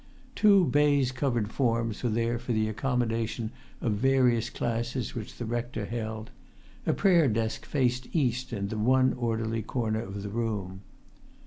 Two baize covered forms were there for the accommodation of various classes which the rector held; a prayer desk faced east in the one orderly corner of the room.